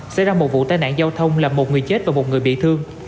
xảy ra một vụ tai nạn giao thông làm một người chết và một người bị thương